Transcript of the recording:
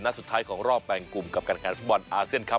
สุดท้ายของรอบแบ่งกลุ่มกับการแข่งฟุตบอลอาเซียนครับ